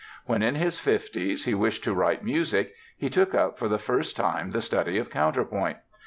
When in his fifties he wished to write music, he took up for the first time the study of counterpoint.